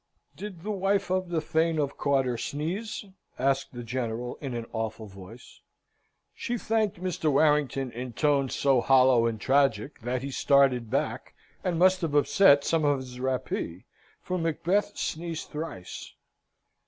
"Did the wife of the Thane of Cawdor sneeze?" asked the General, in an awful voice. "She thanked Mr. Warrington, in tones so hollow and tragic, that he started back, and must have upset some of his rappee, for Macbeth sneezed thrice."